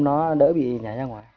nó đỡ bị nhảy ra ngoài